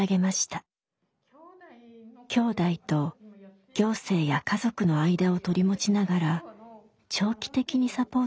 きょうだいと行政や家族の間を取り持ちながら長期的にサポートしたいと考えています。